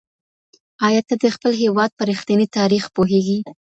ایا ته د خپل هېواد په رښتیني تاریخ پوهېږې؟